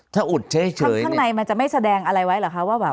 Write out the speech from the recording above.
ถ้าอุดเฉยข้างในมันจะไม่แสดงอะไรไว้เหรอคะว่าแบบ